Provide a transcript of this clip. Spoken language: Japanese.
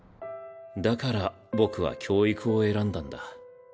だから僕は教育を選んだんだ。